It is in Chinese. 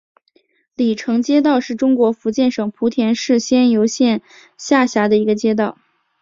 鲤城街道是中国福建省莆田市仙游县下辖的一个街道。